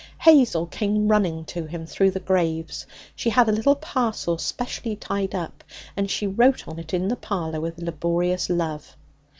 Hazel came running to him through the graves. She had a little parcel specially tied up, and she wrote on it in the parlour with laborious love.